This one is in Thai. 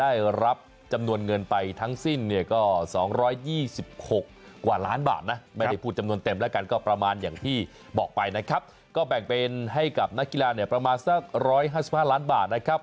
ได้รับจำนวนเงินไปทั้งสิ้นเนี่ยก็๒๒๖กว่าล้านบาทนะไม่ได้พูดจำนวนเต็มแล้วกันก็ประมาณอย่างที่บอกไปนะครับก็แบ่งเป็นให้กับนักกีฬาเนี่ยประมาณสัก๑๕๕ล้านบาทนะครับ